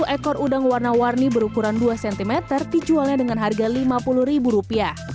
dua puluh ekor udang warna warni berukuran dua cm dijualnya dengan harga rp lima puluh